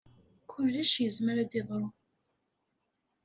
Kullec yezmer ad yeḍru.